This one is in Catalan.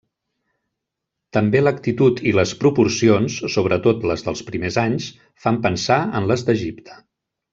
També l'actitud i les proporcions, sobretot les dels primers anys, fan pensar en les d'Egipte.